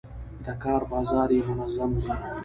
د کار بازار یې منظم دی.